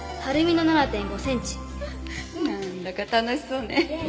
なんだか楽しそうね。